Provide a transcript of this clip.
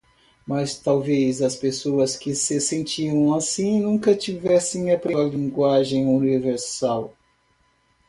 Mas talvez as pessoas que se sentiam assim nunca tivessem aprendido a linguagem universal.